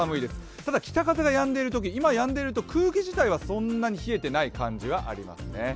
ただ、北風がやんでいるとき、今はやんでいますが空気自体はそんなに冷えていない感じですね。